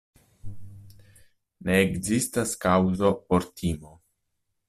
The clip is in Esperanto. Ne ekzistas kaŭzo por timo.